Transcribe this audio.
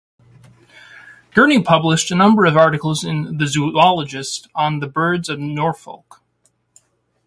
Gurney published a number of articles in "The Zoologist" on the birds of Norfolk.